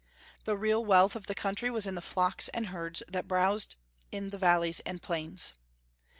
The real wealth of the country was in the flocks and herds that browsed in the valleys and plains.